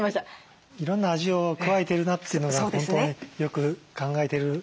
いろんな味を加えてるなというのが本当によく考えてる。